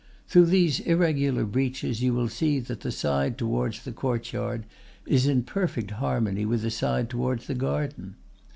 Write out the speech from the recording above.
Through these irregular breaches you will see that the side towards the courtyard is in perfect harmony with the side towards the garden.